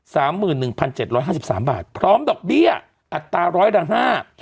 สามหมื่นหนึ่งพันเจ็ดร้อยห้าสิบสามบาทพร้อมดอกเบี้ยอัตราร้อยละห้า